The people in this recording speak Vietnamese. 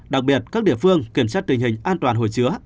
đặc biệt các địa phương kiểm soát tình hình an toàn hồi chứa